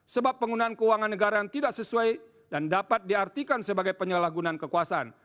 sebab penggunaan keuangan negara yang tidak sesuai dan dapat diartikan sebagai penyalahgunaan kekuasaan